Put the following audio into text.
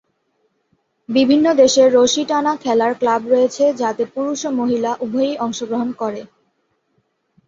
বিভিন্ন দেশে রশি টানা খেলার ক্লাব রয়েছে যাতে পুরুষ ও মহিলা উভয়েই অংশগ্রহণ করে।